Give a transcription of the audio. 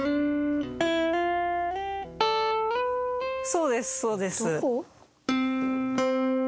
そうですそうです。どこ？